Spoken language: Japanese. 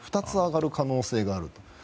２つ上がる可能性がある。